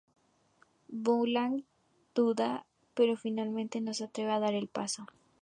Boulanger duda, pero finalmente no se atreve a dar el paso.